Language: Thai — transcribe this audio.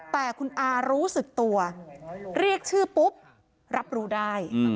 แต่คุณอารู้สึกตัวเรียกชื่อปุ๊บรับรู้ได้